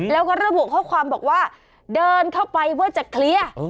แล้วก็ระบุข้อความบอกว่าเดินเข้าไปเพื่อจะเคลียร์